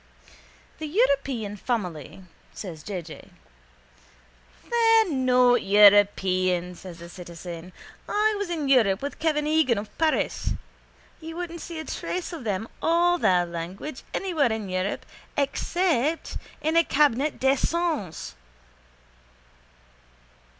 —The European family, says J. J.... —They're not European, says the citizen. I was in Europe with Kevin Egan of Paris. You wouldn't see a trace of them or their language anywhere in Europe except in a _cabinet d'aisance.